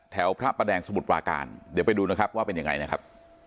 พระประแดงสมุทรปราการเดี๋ยวไปดูนะครับว่าเป็นยังไงนะครับ